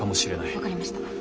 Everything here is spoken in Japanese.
分かりました。